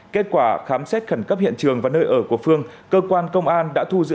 kết quả khám xét khẩn cấp hiện trường và nơi ở của phương cơ quan công an đã thu giữ